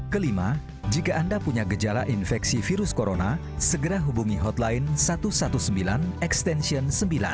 kelima jika anda punya gejala infeksi virus corona segera hubungi hotline satu ratus sembilan belas extension sembilan